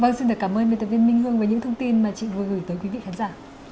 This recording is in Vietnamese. vâng xin cảm ơn mời tập viên minh hương và những thông tin mà chị vui gửi tới quý vị khán giả